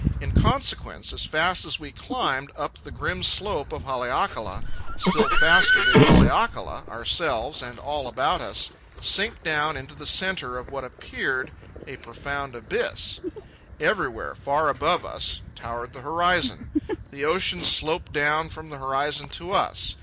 In consequence, as fast as we climbed up the grim slope of Haleakala, still faster did Haleakala, ourselves, and all about us, sink down into the centre of what appeared a profound abyss. Everywhere, far above us, towered the horizon. The ocean sloped down from the horizon to us.